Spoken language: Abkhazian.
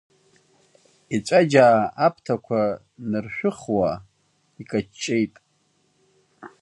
Еҵәаџьаа аԥҭақәа ныршәыхуа, икаҷҷеит.